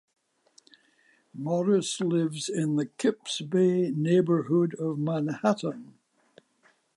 Morris lives in the Kips Bay neighborhood of Manhattan.